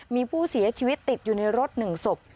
มีผู้เสียชีวิตติดอยู่ในรถ๑ศพ